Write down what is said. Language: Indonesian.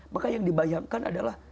maka yang dibayangkan adalah